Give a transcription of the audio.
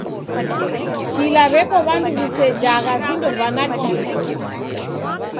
Kila w'eko w'andu w'isejagha vindo va nakio!